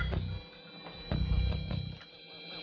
kau dong kita malinin